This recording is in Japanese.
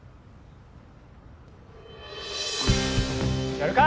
やるか。